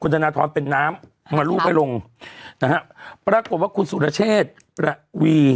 ธนทรเป็นน้ำมารูปให้ลงนะฮะปรากฏว่าคุณสุรเชษประวี